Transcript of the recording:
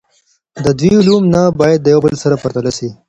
د دوی علوم نه باید د یو بل سره پرتله سي.